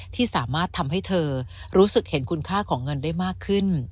ที่สามารถทำให้เธอรู้สึกเห็นคุณค่าของเงินได้มากขึ้น